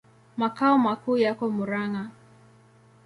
Makao makuu yako Murang'a.